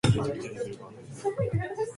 高いんじゃない